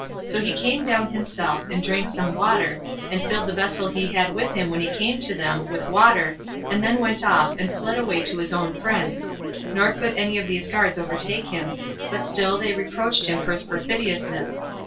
So he came down himself, and drank some water, and filled the vessel he had with him when he came to them with water, and then went off, and fled away to his own friends; nor could any of those guards overtake him; but still they reproached him for his perfidiousness.